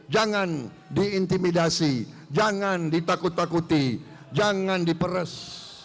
jangan diintimidasi jangan ditakut takuti jangan diperes